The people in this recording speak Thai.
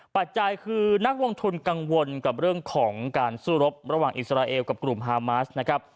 ปัจจัยคือนักลงทุนกังวลกับเรื่องของการสู้รบระหว่างอิสราเอลกับกลุ่มฮามาสนะครับ